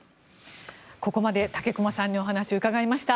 ここまで武隈さんにお話を伺いました。